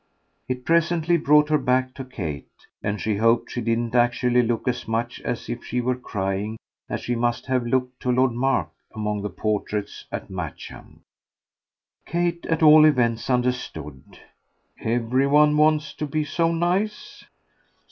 It presently brought her back to Kate, and she hoped she didn't actually look as much as if she were crying as she must have looked to Lord Mark among the portraits at Matcham. Kate at all events understood. "Every one wants to be so nice?"